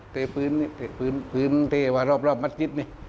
เทพื้นเทวะรอบมัดจิตนี่